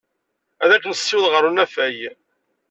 Ad k-nessiweḍ ɣer unafag.